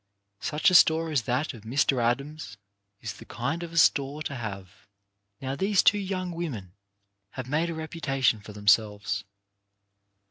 Such a store as that of Mr. Adams is the kind of a store to have. Now, these two young women have made a repu tation for themselves.